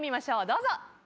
どうぞ。